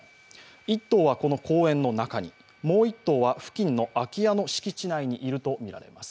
１頭はこの公園の中に、もう１頭は付近の空き家の敷地内にいるとみられます。